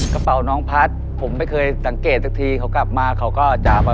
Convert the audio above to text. กระเป๋าน้องพัดผมไม่เคยสังเกตสักทีเขากลับมาเขาก็จะแบบ